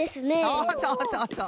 そうそうそうそう。